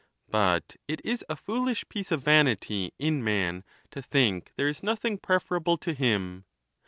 But it is a foolish piece of vanity in man to think there is nothing preferable to him.